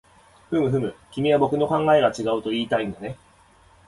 ふむふむ、君は僕の考えが違うといいたいんだね